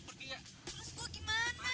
terus gua gimana